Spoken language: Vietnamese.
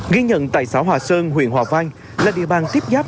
ghi nhận tại xã hòa sơn huyện hòa vang là địa bàn tiếp giáp